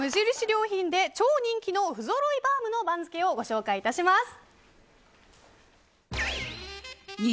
良品で超人気の不揃いバウムの番付をご紹介致します。